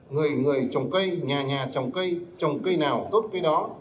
người người trồng cây nhà nhà trồng cây trồng cây nào tốt cây đó